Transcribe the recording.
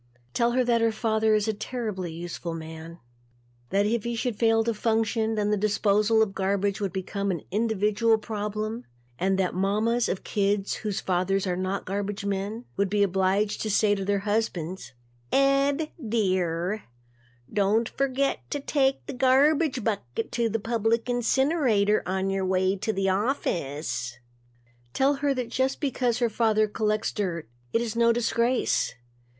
Tell her that her father is a terribly useful man. That if he should fail to function, then the disposal of garbage would become an individual problem and that the mamas of kids whose fathers are not garbage men would be obliged to say to their husbands "Ed, dear, don't forget to take the garbage bucket to the public incinerator on your way to the office." Tell her that just because her father collects dirt, it is no disgrace.